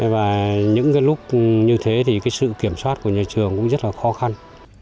và những lúc như thế thì cái sự kiểm soát của nhà trường cũng rất là khó khăn